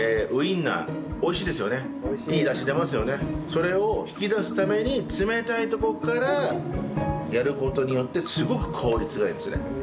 それを引き出すために冷たいところからやる事によってすごく効率がいいですね。